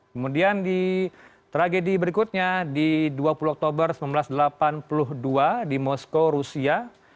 kemudian di tragedi berikutnya di dua puluh oktober seribu sembilan ratus delapan puluh dua di moskow rusia